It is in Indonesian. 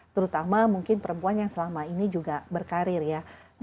terutama mungkin perempuan yang selama ini juga berkarir ya